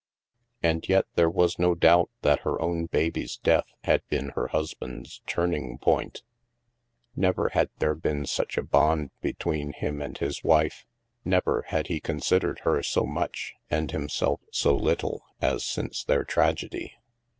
And yet, there was no doubt that her own baby's death had been her husband's turning point. Never HAVEN 293 had there been such a bond between him and his wife, never had he considered her so much and him self so little, as since their tragedy.